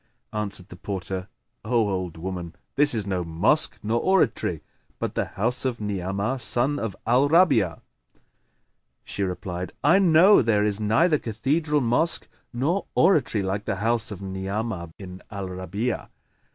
Answered the porter, "O old woman, this is no mosque nor oratory, but the house of Ni'amah son of al Rabi'a." She replied, "I know there is neither cathedral mosque nor oratory like the house of Ni'amah bin al Rabi'a.